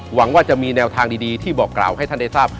หวังว่าจะมีแนวทางดีที่บอกกล่าวให้ท่านได้ทราบ